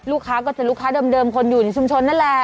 ลูกค้าก็จะลูกค้าเดิมคนอยู่ในชุมชนนั่นแหละ